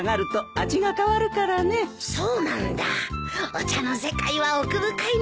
お茶の世界は奥深いな。